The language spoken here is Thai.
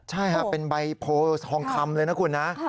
ใช่ค่ะเป็นใบโพทองคำเลยนะคุณนะ